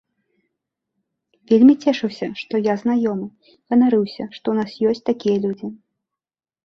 Вельмі цешыўся, што я знаёмы, ганарыўся, што ў нас ёсць такія людзі.